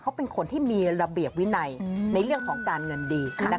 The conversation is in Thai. เขาเป็นคนที่มีระเบียบวินัยในเรื่องของการเงินดี